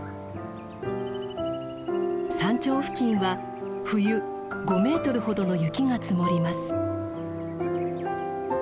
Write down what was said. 山頂付近は冬５メートルほどの雪が積もります。